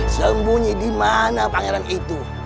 sembunyi dimana pangeran itu